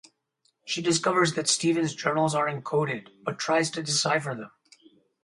She discovers that Stephen's journals are encoded, but tries to decipher them.